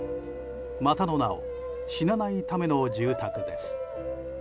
またの名を死なないための住宅です。